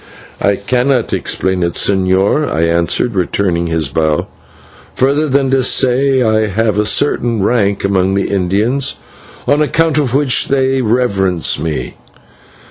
"I cannot explain it, señor," I answered, returning his bow, "further than to say that I have a certain rank among the Indians, on account of which they reverence me.